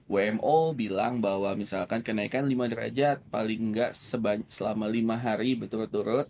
wmo bilang bahwa misalkan kenaikan lima derajat paling nggak selama lima hari berturut turut